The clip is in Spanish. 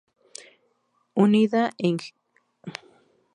Unida a Hendaya, forma la comarca transfronteriza de Bidasoa-Txingudi.